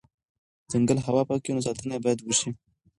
ځنګل هوا پاکوي، نو ساتنه یې بایدوشي